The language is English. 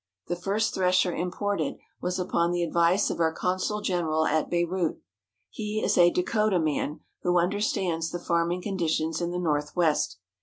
The first thresher imported was upon the advice of our consul general at Beirut. He is a Dakota man, who understands the farming conditions in the North west.